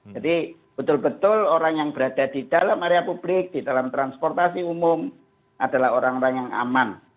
jadi betul betul orang yang berada di dalam area publik di dalam transportasi umum adalah orang orang yang aman